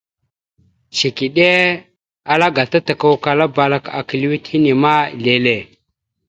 Cikiɗe ala gata takukala balak aka lʉwet hine ma lele.